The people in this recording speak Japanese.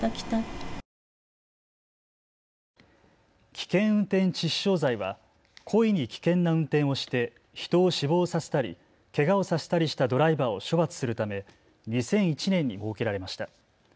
危険運転致死傷罪は故意に危険な運転をして人を死亡させたりけがをさせたりしたドライバーを処罰するため２００１年に設けられました。